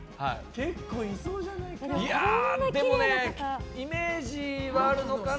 結構いそうじゃないかな？